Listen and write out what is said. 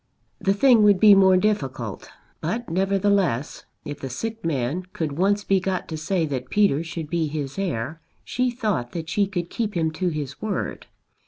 The thing would be more difficult; but, nevertheless, if the sick man could once be got to say that Peter should be his heir she thought that she could keep him to his word.